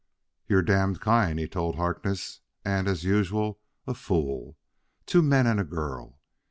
"You're damned kind," he told Harkness, "and, as usual, a fool. Two men and a girl!"